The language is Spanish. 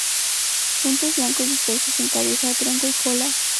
Puntos blancos dispersos en cabeza, tronco y cola.